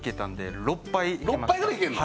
６杯ぐらいいけんの？